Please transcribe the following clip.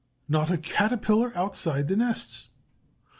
Not a Caterpillar outside the nests!